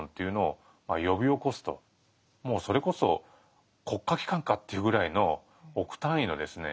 もうそれこそ国家機関かっていうぐらいの億単位のですね